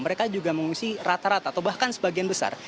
mereka juga mengungsi rata rata atau bahkan sebagian besar